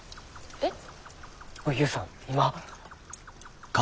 えっ。